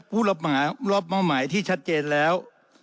รับมอบหมายที่ชัดเจนแล้ว